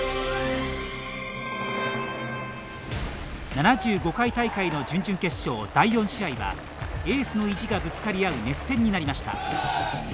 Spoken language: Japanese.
７５回大会の準々決勝第４試合はエースの意地がぶつかり合う熱戦になりました。